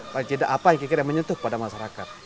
paling tidak apa yang kita menyentuh pada masyarakat